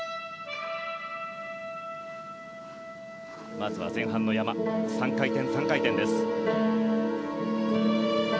まずは前半の山３回転、３回転です。